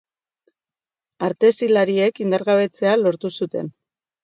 Artezilariek indargabetzea lortu zuten.